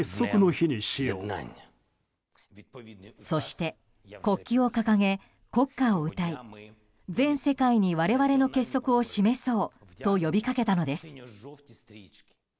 そして国旗を掲げ、国歌を歌い全世界に我々の結束を示そうと呼びかけたのです。